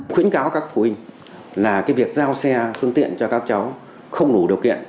khuyến cáo các phụ huynh là việc giao xe phương tiện cho các cháu không đủ điều kiện